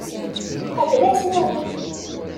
Qabel ad tt-nawi.